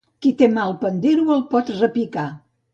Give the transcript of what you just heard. Qui té la mà al pandero el pot repicar.